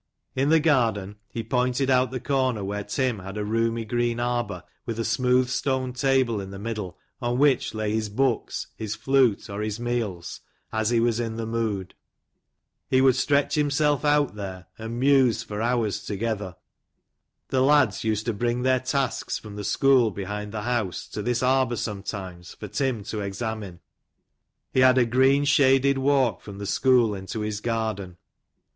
In the garden he pointed out the corner where Tim had a roomy green arbor, with a smooth stone table in the middle, on which lay his books, his flute, or his meals, as he w as in the mood. He would stretch himself out here, and muse for hours together. The lads used to bring their tasks from the school behind the bouse, to this arbor sometimes, for Tim to examine. He had a green shaded walk from the school into his garden.